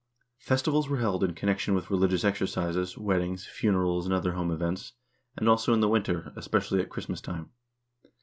Festivals were held in connection with religious exercises, weddings, funerals, and other home events, and also in the winter, especially at Christmas time.